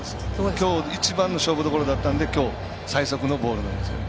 今日一番の勝負どころだったんで今日最速のボールなんですよね。